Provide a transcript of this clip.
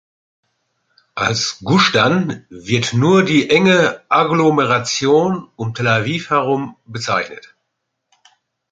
Als „Gusch Dan“ wird "nur" die enge Agglomeration um Tel Aviv herum bezeichnet.